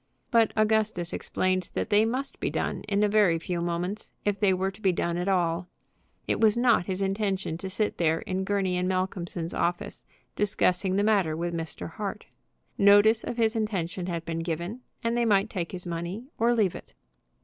But Augustus explained that they must be done in a very few moments, if they were to be done at all. It was not his intention to sit there in Gurney & Malcolmson's office discussing the matter with Mr. Hart. Notice of his intention had been given, and they might take his money or leave it.